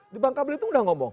di bangka belitung udah ngomong